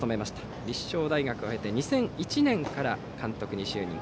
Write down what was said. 立正大学を経て２００１年から監督に就任。